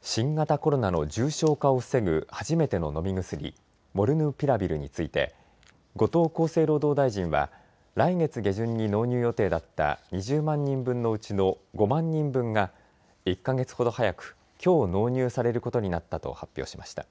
新型コロナの重症化を防ぐ初めての飲み薬、モルヌピラビルについて後藤厚生労働大臣は、来月下旬に納入予定だった２０万人分のうちの５万人分が、１か月ほど早く、きょう納入されることになったと発表しました。